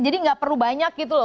jadi tidak perlu banyak gitu loh